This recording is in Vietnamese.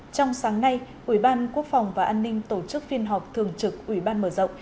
trong sáng nay ủy ban quốc phòng và an ninh tổ chức phiên họp thường trực ủy ban mở rộng